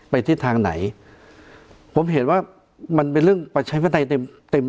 ไปที่ทางไหนผมเห็นว่ามันเป็นเรื่องประชาภัยเต็ม